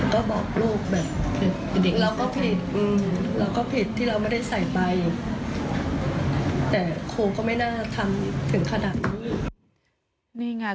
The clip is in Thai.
ครูก็เรียกไปที่ห้องพัก